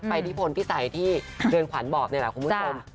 ไปที่โผล่นพี่สัยที่เดือนขวัญบอบเนี่ยแหละคุณผู้ชม